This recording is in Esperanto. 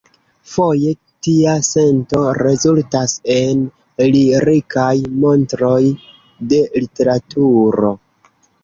Foje tia sento rezultas en lirikaj montroj de literaturo.